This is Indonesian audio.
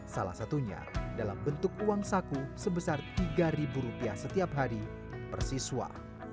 salah satunya dalam bentuk uang saku sebesar tiga rupiah setiap hari persiswa